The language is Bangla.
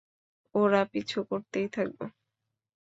ওরা পিছু করতেই থাকবে।